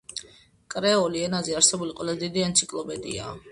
კრეოლი ენაზე არსებული ყველაზე დიდი ენციკლოპედიაა.